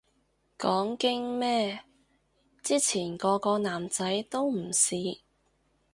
講經咩，之前個個男仔都唔試